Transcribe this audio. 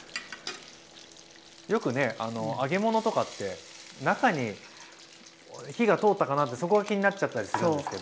よくね揚げ物とかって中に火が通ったかなってそこが気になっちゃったりするんですけど。